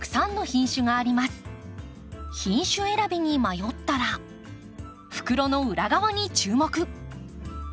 品種選びに迷ったら袋の裏側に注目。